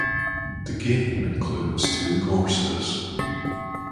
The game includes two courses.